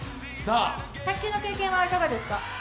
卓球の経験はいかがですか？